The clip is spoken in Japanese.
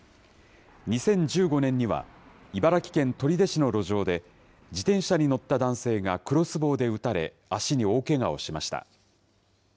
２０１５年には、茨城県取手市の路上で、自転車に乗った男性が、クロスボウで撃たれ、足に大けがをしました。